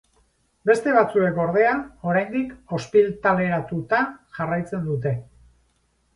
Beste batzuek, ordea, oraindik ospitaleratuta jarraitzen dute.